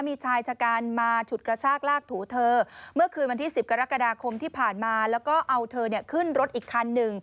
มีชายชะกันมาฉุดกระชากลากถูเธอเมื่อคืนวันที่๑๐กรกฎาคมที่ผ่านมาแล้วก็เอาเธอขึ้นรถอีกคันหนึ่ง